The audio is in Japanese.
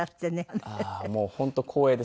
ああーもう本当光栄です。